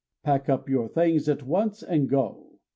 Pack up your things at once, and go!